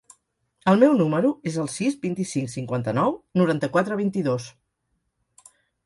El meu número es el sis, vint-i-cinc, cinquanta-nou, noranta-quatre, vint-i-dos.